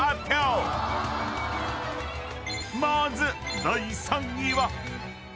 ［まず第３位は］